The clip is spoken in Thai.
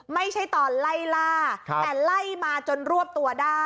ไม่ใช่ตอนไล่ล่าแต่ไล่มาจนรวบตัวได้